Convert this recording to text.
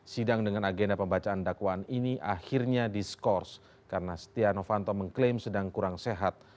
sidang dengan agenda pembacaan dakwaan ini akhirnya diskors karena setia novanto mengklaim sedang kurang sehat